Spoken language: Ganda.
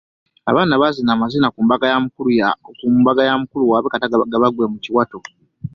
Abaana baazino amazina ku mbaga ya mukulu waabwe kata gabaggwe mu kiwato.